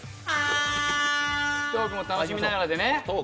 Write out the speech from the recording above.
トークも楽しみながらね。